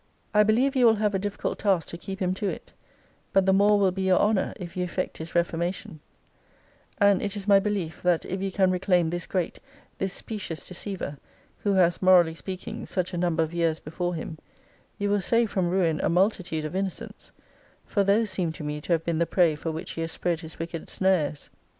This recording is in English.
I believe you will have a difficult task to keep him to it; but the more will be your honour, if you effect his reformation: and it is my belief, that if you can reclaim this great, this specious deceiver, who has, morally speaking, such a number of years before him, you will save from ruin a multitude of innocents; for those seem to me to have been the prey for which he has spread his wicked snares.